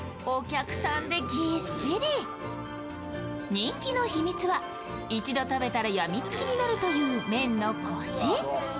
人気の秘密は一度食べたらやみつきになるという麺のコシ。